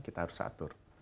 kita harus atur